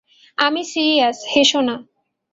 আমি সিরিয়াস, হেসো না।